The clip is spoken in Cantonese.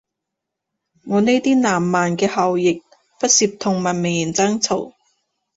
我呢啲南蠻嘅後裔，不屑同文明人爭吵